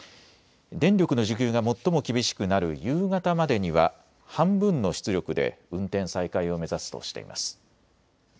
電力の需給が最も厳しくなる夕方までには半分の出力で運転再開を目指すとしています。